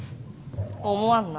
思わんな。